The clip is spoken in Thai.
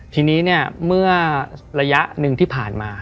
ทีนี้เนี่ยเมื่อระยะหนึ่งที่ผ่านมา